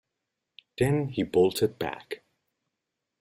Then he bolted back.